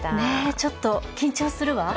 ちょっと緊張するわ。